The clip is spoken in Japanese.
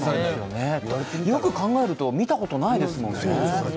よく考えると見たことないですものね。